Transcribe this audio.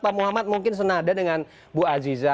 pak muhammad mungkin senada dengan bu aziza